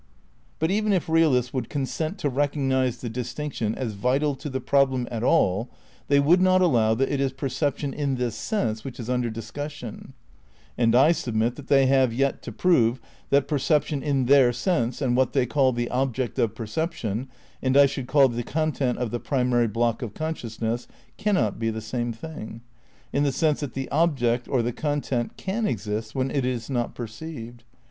But even if realists would consent to recognise the distinction as vital to the problem at all, they would not allow that it is perception in this sense which is under discussion; and I submit that they have yet to prove that perception in their sense and what they call the object of perception (and I should call the content of the primary block of consciousness) "cannot" be the same thing — ^in the sense that the object (or the content) can exist when it is not perceived.